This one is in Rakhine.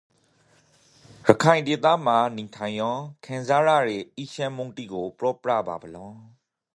ရခိုင်ဒေသမှာနိန်ထိုင်ယင်းခံစားရယေအီးချမ်းမှုတိကိုပြောပြပါပလင်။